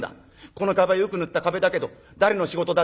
『この壁よく塗った壁だけど誰の仕事だ？』